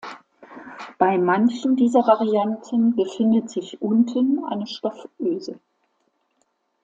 Bei manchen dieser Varianten befindet sich unten eine Stoff-Öse.